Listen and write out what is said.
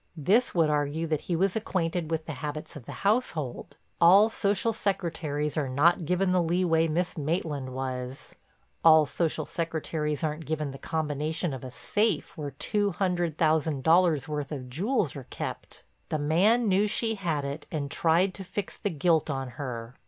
This would argue that he was acquainted with the habits of the household. All social secretaries are not given the leeway Miss Maitland was; all social secretaries aren't given the combination of a safe where two hundred thousand dollars' worth of jewels are kept. The man knew she had it, and tried to fix the guilt on her.